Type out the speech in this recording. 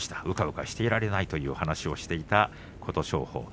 うかうかしていられないという話をしていた琴勝峰。